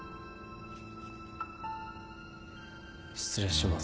失礼します。